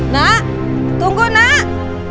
nak tunggu nak